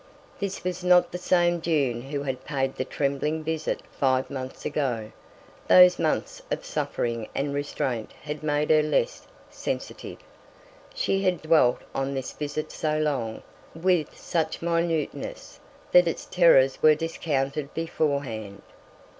This was not the same June who had paid the trembling visit five months ago; those months of suffering and restraint had made her less sensitive; she had dwelt on this visit so long, with such minuteness, that its terrors were discounted beforehand.